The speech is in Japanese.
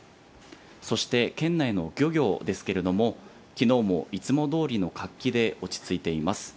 そして、県内の漁業ですけれども、きのうもいつもどおりの活気で落ち着いています。